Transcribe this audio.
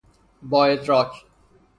با ادراک